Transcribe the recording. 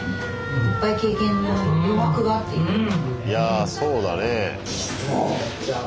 いやそうだね。